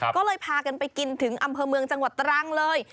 ก็เลยพากันไปกินถึงอำเภอเมืองจังหวัดตรังเลย